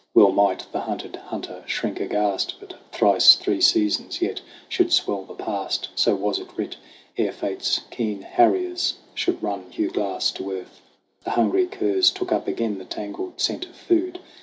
Well might the hunted hunter shrink aghast ! But thrice three seasons yet should swell the past, So was it writ, ere Fate's keen harriers Should run Hugh Glass to earth. The hungry curs Took up again the tangled scent of food.